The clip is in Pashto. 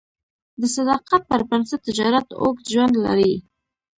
د صداقت پر بنسټ تجارت اوږد ژوند لري.